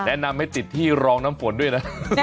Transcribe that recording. แนะนำให้ติดที่รองน้ำฝนด้วยนะ